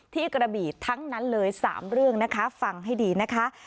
กระบี่ทั้งนั้นเลย๓เรื่องนะคะฟังให้ดีนะคะ